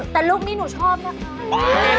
แต่ลูกนี้หนูชอบนะคะ